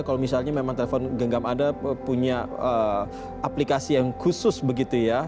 kalau misalnya memang telepon genggam anda punya aplikasi yang khusus begitu ya